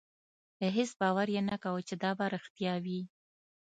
هېڅ باور یې نه کاوه چې دا به رښتیا وي.